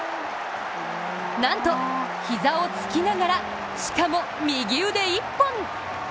なんと膝をつきながらしかも右腕１本！